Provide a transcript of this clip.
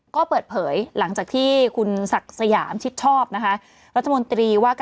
ก็เปิดเผยหลังจากที่คุณศักดิ์สยามชิดชอบนะคะ